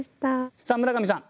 さあ村上さん